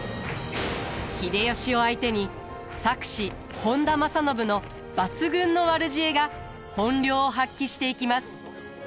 秀吉を相手に策士本多正信の抜群の悪知恵が本領を発揮していきます。